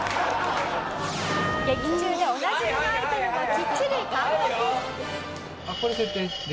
劇中でおなじみのアイテムもきっちり完コピ。